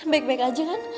baik baik aja kan